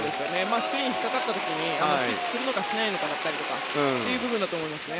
スクリーンに引っかかった時にスイッチするのかしないのかといった部分だと思いますね。